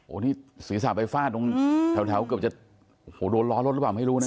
โอ้นี่สีสาบไฟฟาดตรงแถวเกือบจะโดนร้อนรถหรือเปล่าไม่รู้นะ